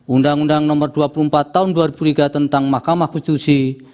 undang undang nomor dua puluh empat tahun dua ribu tiga tentang mahkamah konstitusi